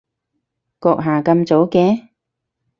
閣下咁早嘅？